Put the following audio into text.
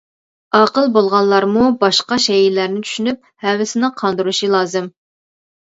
ئاقىل بولغانلارمۇ باشقا شەيئىلەرنى چۈشىنىپ ھەۋىسىنى قاندۇرۇشى لازىم.